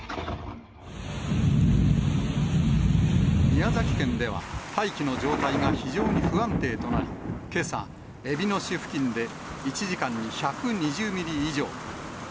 宮崎県では、大気の状態が非常に不安定となり、けさ、えびの市付近で１時間に１２０ミリ以上。